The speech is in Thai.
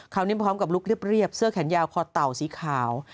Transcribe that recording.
นี้พร้อมกับลุคเรียบเสื้อแขนยาวคอเต่าสีขาว